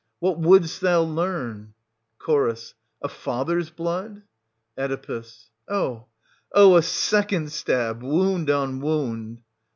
What wouldst thou learn ? Ch. a father's blood.? Oe. Oh! oh! a second stab — wound on wound